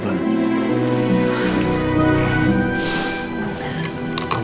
mama minum bata dulu